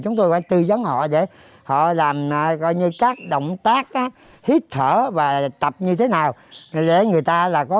chúng tôi phải tư vấn họ để họ làm coi như các động tác hít thở và tập như thế nào để người ta là có